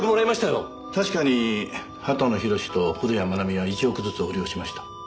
確かに畑野宏と古谷愛美は１億ずつ横領しました。